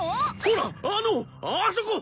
ほらあのあそこ！